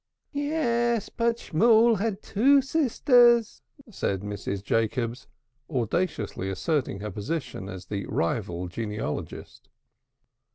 "Yes, but Shmool had two sisters," said Mrs. Jacobs, audaciously asserting her position as the rival genealogist.